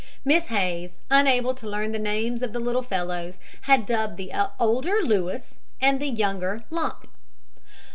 Miss Hays, unable to learn the names of the little fellows, had dubbed the older Louis and the younger "Lump."